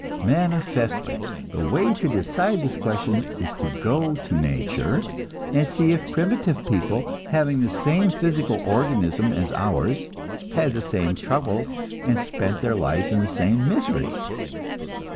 Manifestly, the way to decide this question is to go to nature, and see if primitive people, having the same physical organism as ours, had the same troubles and spent their lives in the same misery.